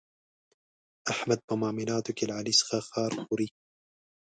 احمد په معاملاتو کې له علي څخه خار خوري.